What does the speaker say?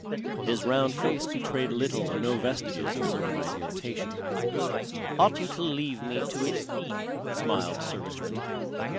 His round face betrayed little or no vestiges of his overnight irritation. "Ought you to leave me to it?" smiled Sir Richmond.